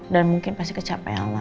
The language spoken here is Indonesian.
dan mungkin pasti kecapella